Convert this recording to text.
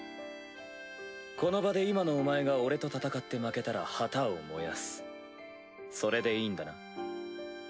この場で今のお前が俺と戦って負けたら旗を燃やすそれでいいんだな？